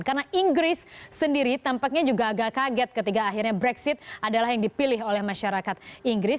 karena inggris sendiri tampaknya juga agak kaget ketika akhirnya brexit adalah yang dipilih oleh masyarakat inggris